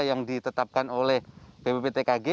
yang ditetapkan oleh bpptkg